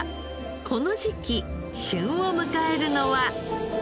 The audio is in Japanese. この時期旬を迎えるのは。